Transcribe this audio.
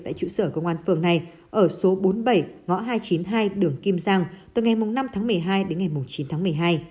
tại trụ sở công an phường này ở số bốn mươi bảy ngõ hai trăm chín mươi hai đường kim giang từ ngày năm tháng một mươi hai đến ngày chín tháng một mươi hai